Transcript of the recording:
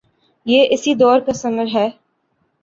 یہ اسی دور کا ثمر ہے۔